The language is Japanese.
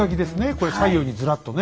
これ左右にずらっとね。